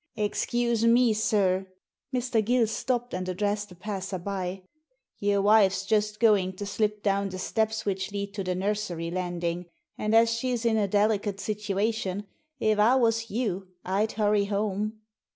• Excuse me, sir." Mr. Gill stopped and addressed a passer by. *Your wife's just going to slip down the steps which lead to the nursery landing ; and as she's in a delicate situation, if I was you I'd hurry home."